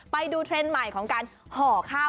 เทรนด์ใหม่ของการห่อข้าว